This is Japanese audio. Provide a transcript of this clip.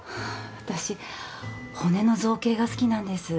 私骨の造形が好きなんです